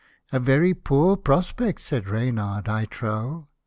" A very poor prospect," said Reynard, " I .trow."